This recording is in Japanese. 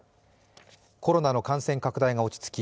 コロナの感染拡大が落ち着き